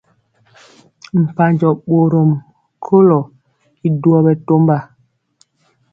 Mpanjɔ bɔrɔm kolo y duoi bɛtɔmba.